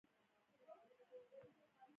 زه د خدای جل جلاله څخه بېرېږم.